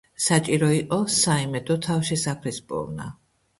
საჭირო იყო საიმედო თავშესაფრის პოვნა.